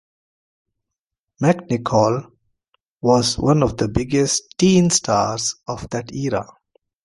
McNichol was one of the biggest teen stars of that era.